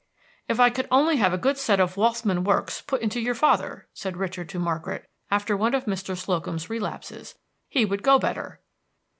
"If I could only have a good set of Waltham works put into your father," said Richard to Margaret, after one of Mr. Slocum's relapses, "he would go better."